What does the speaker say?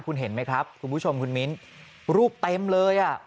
คุณเห็นไหมครับคุณผู้ชมคุณมิ้นรูปเต็มเลยอ่ะ